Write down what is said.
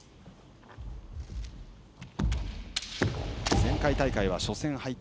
前回大会は初戦敗退。